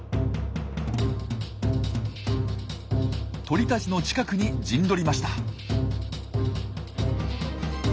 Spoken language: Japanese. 鳥たちの近くに陣取りました。